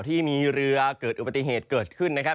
ที่มีเรือเกิดอุบัติเหตุเกิดขึ้นนะครับ